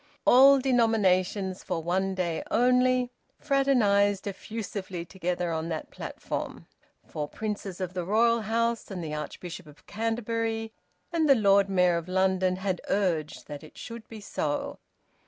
All denominations, for one day only, fraternised effusively together on that platform; for princes of the royal house, and the Archbishop of Canterbury and the Lord Mayor of London had urged that it should be so.